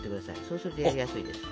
そうするとやりやすいです。